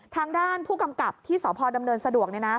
ทางด้านผู้กำกับที่สพดำเนินสะดวก